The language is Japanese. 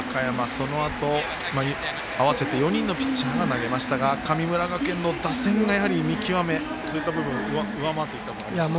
そのあと合わせて４人のピッチャーが上がりましたが神村学園の打線が、やはり見極めといった部分を上回っていったということですね。